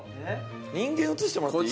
人間映してもらっていい？